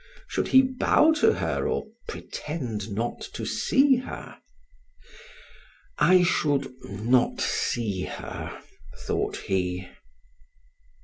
Should he bow to her or pretend not to see her? "I should not see her," thought he.